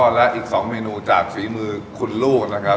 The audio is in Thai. และอีก๒เมนูจากฝีมือคุณลูกนะครับ